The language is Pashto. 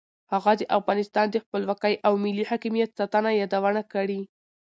هغه د افغانستان د خپلواکۍ او ملي حاکمیت ساتنه یادونه کړې.